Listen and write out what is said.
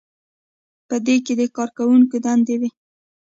په دې کې د کارکوونکي دندې وي.